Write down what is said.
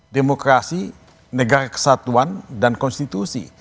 demokrasi negara kesatuan dan konstitusi